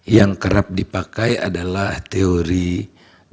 yang kerap dipakai adalah teori